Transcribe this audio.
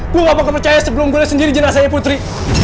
gue gak bakal percaya sebelum gue sendiri jenazahnya putri